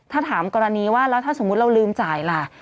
ถ้าถามกรณีว่าแล้วถ้าสมมุติเราลืมจ่ายล่ะ